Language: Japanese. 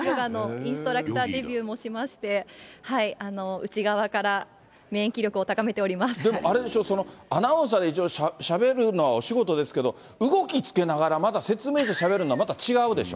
インストラクターデビューもしまして、内側から免疫力を高めておでもあれでしょ、アナウンサーで一応、しゃべるのはお仕事ですけど、動きつけながら、また説明してしゃべるのはまた違うでしょ？